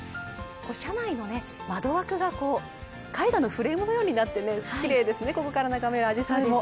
車内の窓枠が絵画のフレームのようになって、きれいですね、ここから眺めるあじさいも。